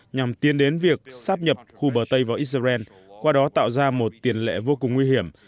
nhằm tiến đến việc sáp nhập khu bờ tây vào israel qua đó tạo ra một tiền lệ vô cùng nguy hiểm